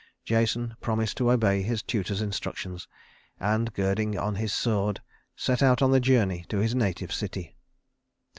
Jason promised to obey his tutor's instructions, and, girding on his sword, set out on the journey to his native city.